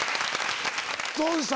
どうでした？